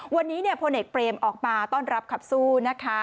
วันนี้พลเอกเปรมออกมาต้อนรับขับสู้นะคะ